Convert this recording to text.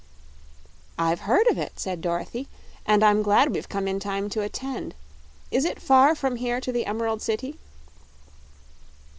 "I've heard of it," said Dorothy, "and I'm glad we've come in time to attend. Is it far from here to the Emerald City?"